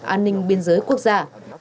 an ninh biên giới quốc gia